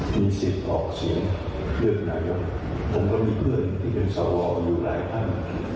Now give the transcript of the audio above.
มีสิทธิ์ออกเสียงเลือกนายกผมก็มีเพื่อนที่เป็นสวอยู่หลายท่าน